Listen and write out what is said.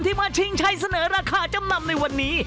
มาชิงชัยเสนอราคาจำนำในวันนี้